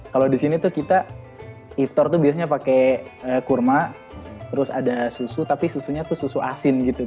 kalau di sini tuh kita itor tuh biasanya pakai kurma terus ada susu tapi susunya tuh susu asin gitu